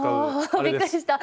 あびっくりした。